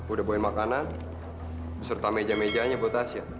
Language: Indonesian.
udah bawain makanan beserta meja mejanya buat asia